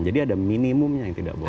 jadi ada minimumnya yang tidak boleh